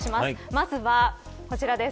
まずは、こちらです。